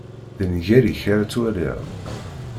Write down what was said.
D nnger-ik ara twaliḍ.